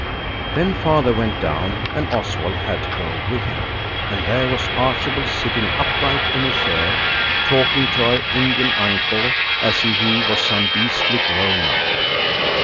Then Father went down and Oswald had to go with him, and there was Archibald sitting upright in a chair and talking to our Indian uncle as if he was some beastly grown up.